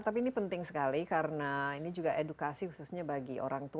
tapi ini penting sekali karena ini juga edukasi khususnya bagi orang tua